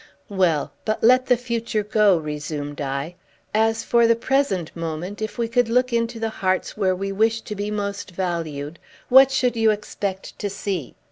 "Well; but let the future go," resumed I. "As for the present moment, if we could look into the hearts where we wish to be most valued, what should you expect to see?